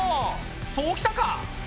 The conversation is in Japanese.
そうきたか！